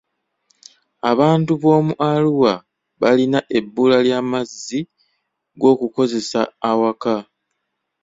Abantu b'omu Arua balina ebbula ly'amazzi g'okukozesa awaka.